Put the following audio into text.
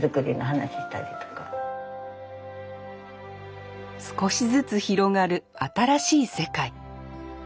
そう少しずつ広がる新しい世界。